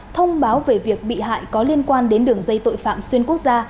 thông báo về việc bị hại có liên quan đến đường dây tội phạm xuyên quốc gia